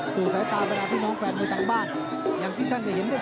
สองยกเห็นหลังน้ำเงินแว๊บแว๊บ